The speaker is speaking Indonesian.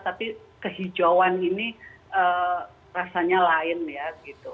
tapi kehijauan ini rasanya lain ya gitu